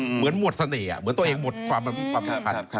เหมือนหมดเสน่ห์เหมือนตัวเองหมดความคล้ำ